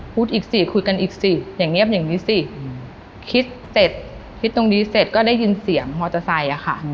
พูดอีกสิคุยกันอีกสิอย่างเงียบอย่างนี้สิคิดเสร็จคิดตรงนี้เสร็จก็ได้ยินเสียงมอเตอร์ไซค์อะค่ะ